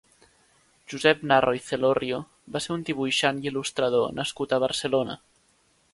Josep Narro i Celorrio va ser un dibuixant i il·lustrador nascut a Barcelona.